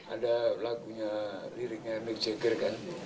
ada lagunya liriknya mick jagger kan